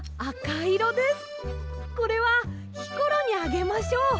これはひころにあげましょう。